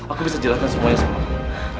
aku bisa jelaskan semuanya sama kamu